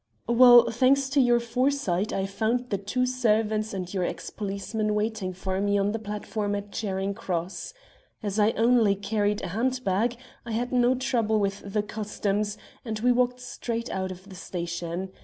"Well, thanks to your foresight, I found the two servants and your ex policeman waiting for me on the platform at Charing Cross. As I only carried a handbag, I had no trouble with the Customs, and we walked straight out of the station.